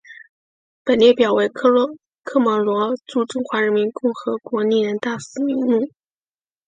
本列表为科摩罗驻中华人民共和国历任大使名录。